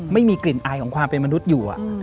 ไม่มีกลิ่นอายของความเป็นมนุษย์อยู่